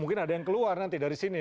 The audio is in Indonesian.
mungkin ada yang keluar nanti dari sini